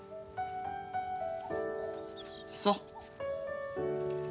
そう。